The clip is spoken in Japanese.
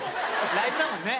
ライブだもんね